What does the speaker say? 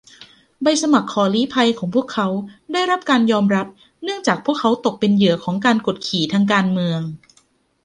ใบสมัครขอลี้ภัยของพวกเขาได้รับการยอมรับเนื่องจากพวกเขาตกเป็นเหยื่อของการกดขี่ทางการเมือง